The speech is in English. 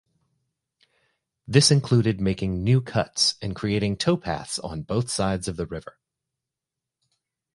This included making new cuts, and creating towpaths on both sides of the river.